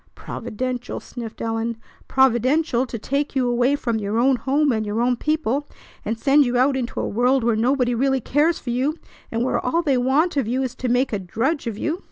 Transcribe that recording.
"Providential!" sniffed Ellen. "Providential to take you away from your own home and your own people, and send you out into a world where nobody really cares for you, and where all they want of you is to make a drudge of you!